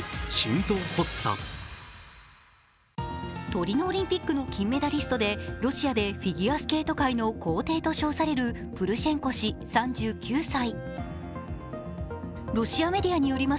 トリノオリンピックの金メダリストでロシアでフィギュアスケート界の皇帝と称されるプルシェンコ氏３９歳。